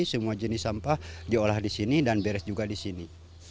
semua jenis sampah diolah di sini dan beres juga di sini